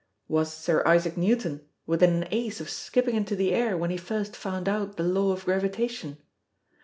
Was Sir Isaac Newton within an ace of skipping into the air when he first found out the law of gravitation?